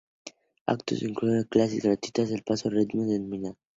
Los actos incluyen clases gratuitas del paso de ragtime denominado one-step.